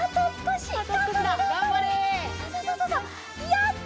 やった！